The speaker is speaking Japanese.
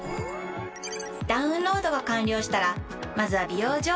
ダウンロードが完了したらまずは「美容情報」をチェック！